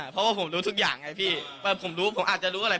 เพราะว่าผมรู้ทุกอย่างไงพี่ว่าผมรู้ผมอาจจะรู้อะไร